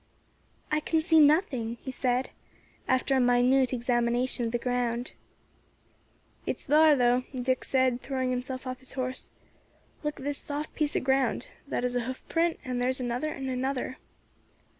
"I can see nothing," he said, after a minute examination of the ground. "It's thar, though," Dick said, throwing himself off his horse. "Look at this soft piece of ground; that is a hoof print, and there is another and another."